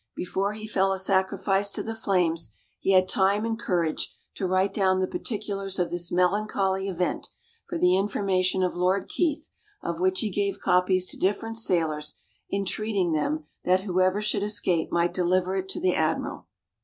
Before he fell a sacrifice to the flames, he had time and courage to write down the particulars of this melancholy event, for the information of Lord Keith, of which he gave copies to different sailors, entreating them, that whoever should escape might deliver it to the admiral.